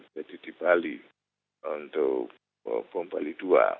jadi di bali untuk bom bali dua